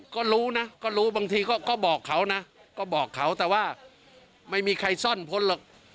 ก็รู้นะก็รู้บางทีก็บอกเขานะก็บอกเขาแต่ว่าไม่มีใครซ่อนพ้นหรอก